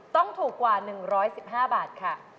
ต้องถูกกว่า๑๑๕บาทค่ะ